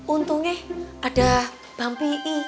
untungnya ada bang pih